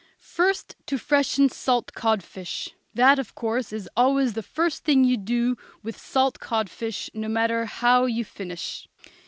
First, to freshen salt codfish; that, of course, is always the first thing you do with salt codfish, no matter how you finish.